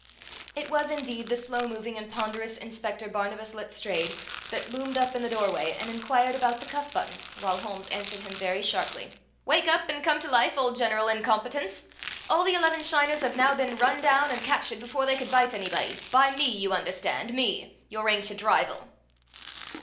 It was indeed the slow moving and ponderous Inspector Barnabas Letstrayed that loomed up in the doorway and inquired about the cuff buttons, while Holmes answered him very sharply: "Wake up and come to life, old General Incompetence! All the eleven shiners have now been run down and captured before they could bite anybody, by me, you understand, me, your ancient rival!"